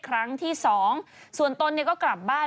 ครั้งที่๒ส่วนต้นก็กลับบ้าน